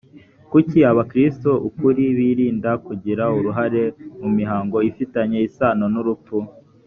kuki abakristo ukuri birinda kugira uruhare mu mihango ifitanye isano n urupfu